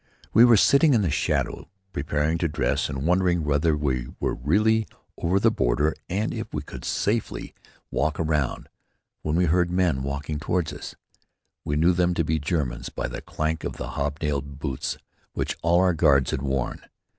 We were sitting in the shadow preparing to dress and wondering whether we were really over the border and if we could safely walk abroad, when we heard men walking toward us. We knew them to be Germans by the clank of the hobnailed boots which all our guards had worn.